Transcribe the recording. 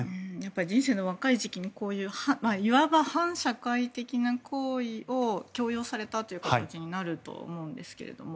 人生の若い時期にこういういわば反社会的な行為を強要されたという形になると思うんですけれども